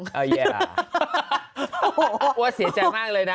ว่าเสียใจมากเลยนะ